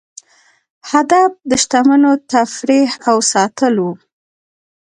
هدف د شتمنو تفریح او ساتل وو.